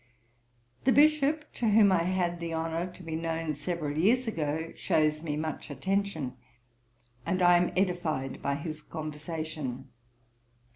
The Bishop, to whom I had the honour to be known several years ago, shews me much attention; and I am edified by his conversation.